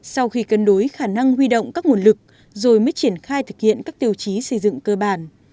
sau khi cân đối khả năng huy động các nguồn lực rồi mới triển khai thực hiện các tiêu chí xây dựng cơ bản